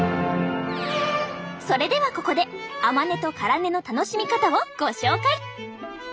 それではここで甘根と辛根の楽しみ方をご紹介。